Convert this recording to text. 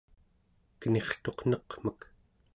kenirtuq neqmek